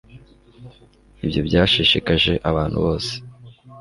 ibyo byashishikaje abantu bose